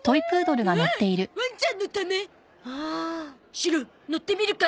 シロ乗ってみるか？